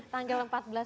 tanggal empat belas maret